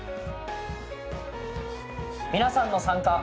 皆さんの参加。